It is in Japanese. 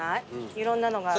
いろんなのがある。